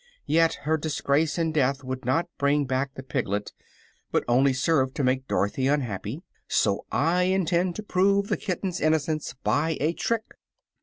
Yet her disgrace and death would not bring back the piglet, but only serve to make Dorothy unhappy. So I intend to prove the kitten's innocence by a trick."